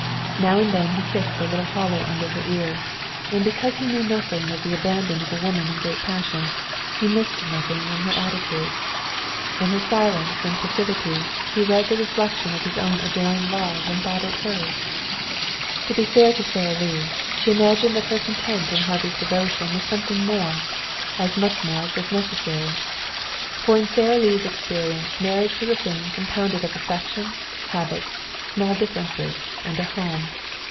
Now and then he kissed the little hollow under her ear, and because he knew nothing of the abandon of a woman in a great passion he missed nothing in her attitude. Into her silence and passivity he read the reflection of his own adoring love and thought it hers. To be fair to Sara Lee, she imagined that her content in Harvey's devotion was something more, as much more as was necessary. For in Sara Lee's experience marriage was a thing compounded of affection, habit, small differences and a home.